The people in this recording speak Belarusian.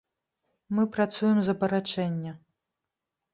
Мы працуем з абарачэння.